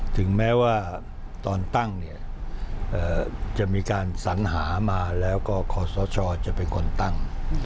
ถึงแม้ว่าตอนตั้งเนี่ยจะมีการสัญหามาแล้วก็ขอสชจะเป็นคนตั้ง